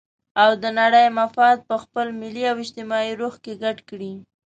او د نړۍ مفاد په خپل ملي او اجتماعي روح کې ګډ کړي.